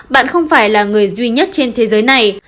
bạn không phải là người duy nhất trên thế giới này